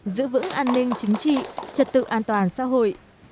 giữ vững an ninh chính trị trật tự an toàn xã hội